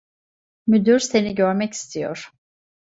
Müdür seni görmek istiyor.